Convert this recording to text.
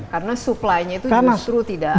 karena supply nya itu justru tidak ada